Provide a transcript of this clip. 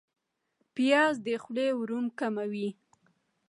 پیاز د خولې ورم کموي